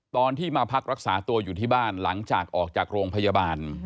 ตอนที่มาพักรักษาตัวอยู่ที่บ้านหลังจากออกจากโรงพยาบาล